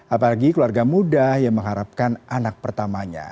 apalagi keluarga muda yang mengharapkan anak pertamanya